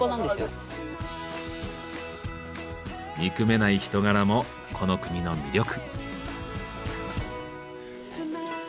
憎めない人柄もこの国の魅力。